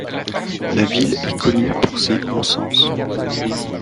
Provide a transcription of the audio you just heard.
La ville est connue pour ses onsens.